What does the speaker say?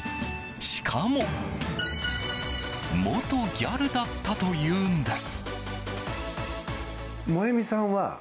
しかも元ギャルだったというんです。